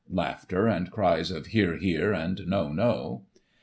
(Laughter, and cries of " Hear, hear," and " No, no.")